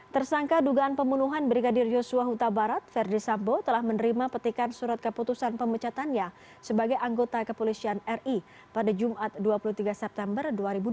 tersangka dugaan pembunuhan brigadir yosua huta barat verdi sambo telah menerima petikan surat keputusan pemecatannya sebagai anggota kepolisian ri pada jumat dua puluh tiga september dua ribu dua puluh